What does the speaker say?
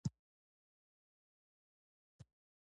دا متنونه قران او سنت دي.